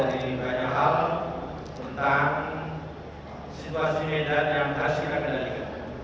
ini akan menjawab dari banyak hal tentang situasi medan yang terhasilkan dengan negatif